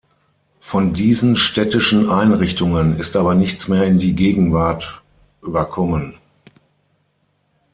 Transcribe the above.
Von diesen städtischen Einrichtungen ist aber nichts mehr in die Gegenwart überkommen.